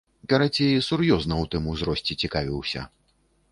Карацей, сур'ёзна ў тым узросце цікавіўся.